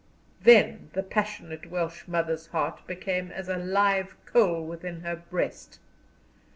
Then the passionate Welsh mother's heart became as a live coal within her breast.